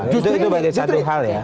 justru itu menjadi satu hal ya